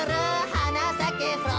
「はなさけフローラ」